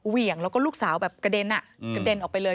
เหวี่ยงแล้วก็ลูกสาวกระเด็นออกไปเลย